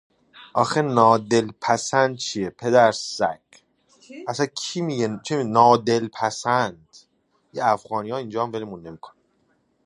نادلپسند